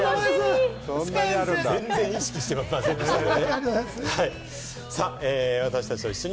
全然、意識していませんでしたので。